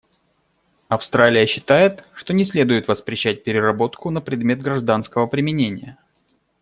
Австралия считает, что не следует воспрещать переработку на предмет гражданского применения.